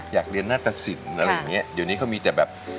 ยากเรียนน่าตะสินอะไรแบบงี้อยู่ในนี้มีแต่แบบ